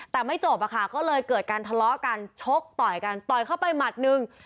แต่ไม่จบอะค่ะก็เลยเกิดการทะเลาะกันชกต่อยกันต่อยเข้าไปหมัดหนึ่ง